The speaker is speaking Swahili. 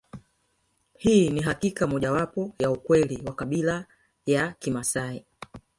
Hii ni hakika moja wapo ya ukweli wa kabila ya Kimaasai